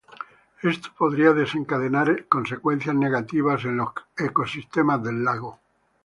Esto podría desencadenar consecuencias negativas en los ecosistemas del lago.